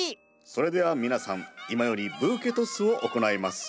それでは皆さん今よりブーケトスを行います。